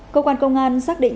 cơ quan công an xác định